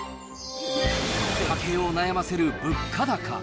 家計を悩ませる物価高。